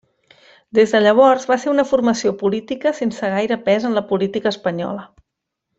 Des de llavors va ser una formació política sense gaire pes en la política espanyola.